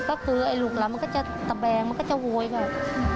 คือลูกเราก็จะตะแบงก็จะโหยแบบ